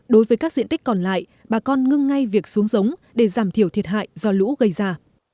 đối với các diện tích còn lại bà con ngưng ngay việc xuống giống để giảm thiểu thiệt hại do lũ gây ra